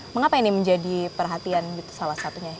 mengapa ini menjadi perhatian salah satunya